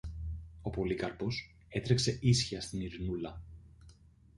Ο Πολύκαρπος έτρεξε ίσια στην Ειρηνούλα.